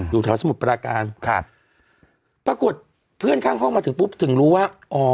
อยู่แถวสมุทรปราการครับปรากฏเพื่อนข้างห้องมาถึงปุ๊บถึงรู้ว่าอ๋อ